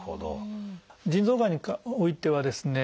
腎臓がんにおいてはですね